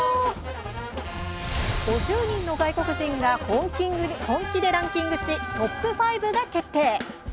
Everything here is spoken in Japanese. ５０人の外国人が本気でランキングし、トップ５が決定。